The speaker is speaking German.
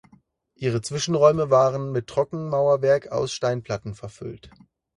Ihre Zwischenräume waren mit Trockenmauerwerk aus Steinplatten verfüllt.